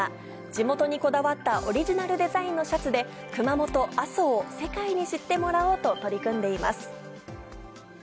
地元にこだわったオリジナルデザインのシャツで、熊本・阿蘇を世界に知ってもらおうと取り組んでいます。